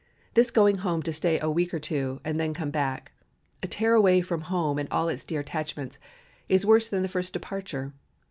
This going home to stay a week or two and then come back, tear away from home and all its dear attachments, is worse than the first departure.